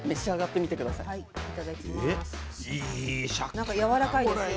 なんかやわらかいですよ。